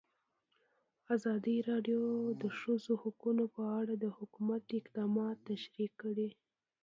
ازادي راډیو د د ښځو حقونه په اړه د حکومت اقدامات تشریح کړي.